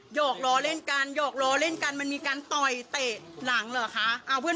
หอกล้อเล่นกันหยอกล้อเล่นกันมันมีการต่อยเตะหลังเหรอคะ